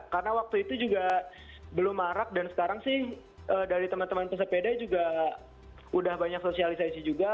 karena waktu itu juga belum marak dan sekarang sih dari teman teman pesepeda juga udah banyak sosialisasi juga